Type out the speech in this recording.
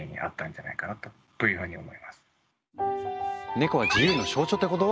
ネコは「自由の象徴」ってこと？